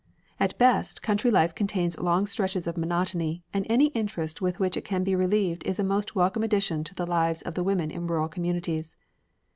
At best, country life contains long stretches of monotony, and any interest with which it can be relieved is a most welcome addition to the lives of the women in rural communities.